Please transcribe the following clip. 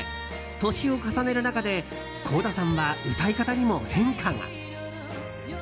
年を重ねる中で倖田さんは歌い方にも変化が。